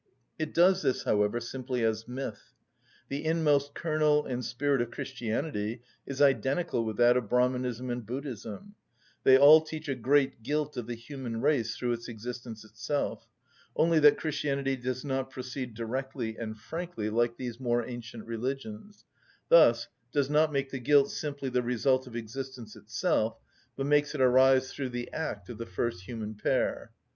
It does this, however, simply as myth. The inmost kernel and spirit of Christianity is identical with that of Brahmanism and Buddhism; they all teach a great guilt of the human race through its existence itself, only that Christianity does not proceed directly and frankly like these more ancient religions: thus does not make the guilt simply the result of existence itself, but makes it arise through the act of the first human pair.